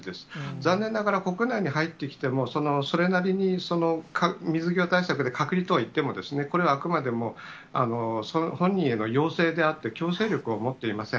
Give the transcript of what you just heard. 残念ながら国内に入ってきても、それなりに水際対策で隔離とはいっても、これはあくまでも、本人への要請であって、強制力を持っていません。